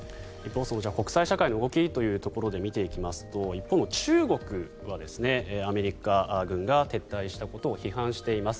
国際社会の動きというところで見ていきますと一方の中国はアメリカ軍が撤退したことを批判しています。